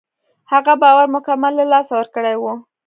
هغه باور مکمل له لاسه ورکړی و.